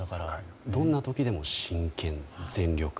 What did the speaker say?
どんな時でも真剣、全力。